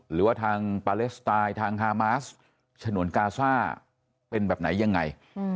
หรือว่าทางปาเลสไตล์ทางฮามาสฉนวนกาซ่าเป็นแบบไหนยังไง